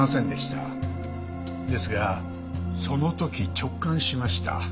ですがその時直感しました。